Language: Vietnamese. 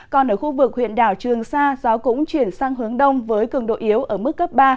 còn ở khu vực huyện đảo trường sa gió cũng chuyển sang hướng đông với cường độ yếu ở mức cấp ba